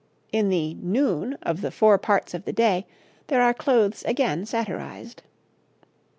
In the 'Noon' of the 'Four Parts of the Day' there are clothes again satirized.